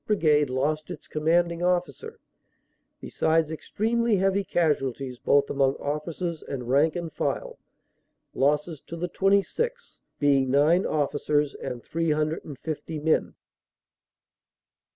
Brigade lost its commanding officer, besides extremely heavy casualties both among officers and rank and file, losses to the 26th. being nine officers and 350 men.